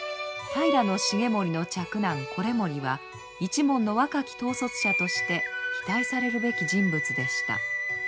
平重盛の嫡男維盛は一門の若き統率者として期待されるべき人物でした。